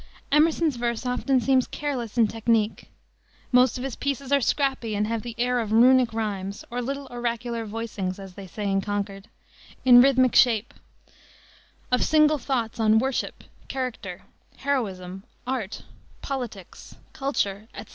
Emerson's verse often seems careless in technique. Most of his pieces are scrappy and have the air of runic rimes, or little oracular "voicings" as they say in Concord in rhythmic shape, of single thoughts on "Worship," "Character," "Heroism," "Art," "Politics," "Culture," etc.